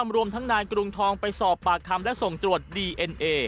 รวมทั้งนายกรุงทองไปสอบปากคำและส่งตรวจดีเอ็นเอ